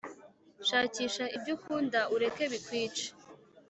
shakisha ibyo ukunda ureke bikwice.